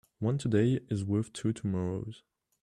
One today is worth two tomorrows.